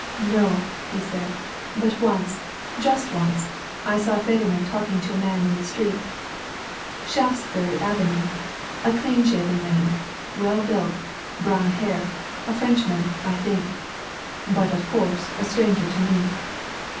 "No!" he said. "But once just once I saw Federman talking to a man in the street Shaftesbury Avenue. A clean shaven man, well built, brown hair a Frenchman, I think. But, of course, a stranger to me."